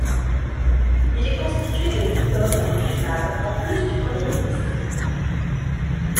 Il est constitué de huit hommes et huit femmes en plus du premier ministre.